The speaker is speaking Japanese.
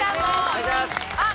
あっ！